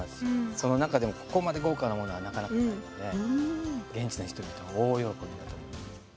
その中でもここまで豪華なものはなかなかないので現地の人々は大喜びだと思います。